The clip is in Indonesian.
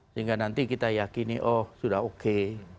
sehingga nanti kita yakini oh sudah oke